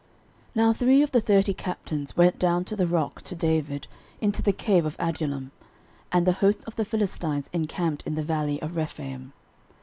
13:011:015 Now three of the thirty captains went down to the rock to David, into the cave of Adullam; and the host of the Philistines encamped in the valley of Rephaim.